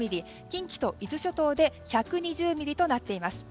近畿と伊豆諸島で１２０ミリとなっています。